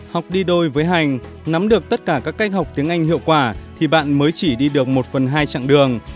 học đi đôi với hành nắm được tất cả các cách học tiếng anh hiệu quả thì bạn mới chỉ đi được một phần hai chặng đường